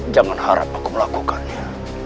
jangan harap aku melakukannya